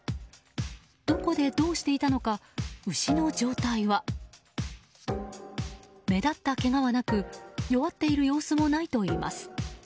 どこでどうしていたのか牛の状態は目立ったけがはなく弱っている様子もないといいます。